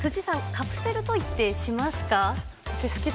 カプセルトイってしますか？